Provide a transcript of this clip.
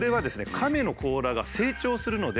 カメの甲羅が成長するので。